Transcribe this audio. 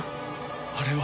あれは。